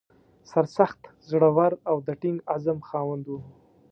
سرسخت، زړه ور او د ټینګ عزم خاوند و.